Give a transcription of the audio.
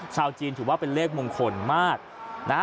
ชาวจีนถือว่าเป็นเลขมงคลมากนะฮะ